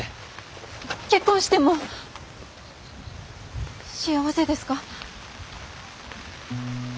結婚しても幸せですか？